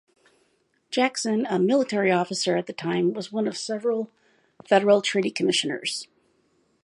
Jackson, a military officer at the time, was one of several federal treaty commissioners.